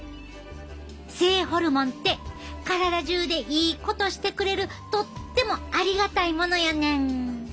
性ホルモンって体中でいいことしてくれるとってもありがたいものやねん。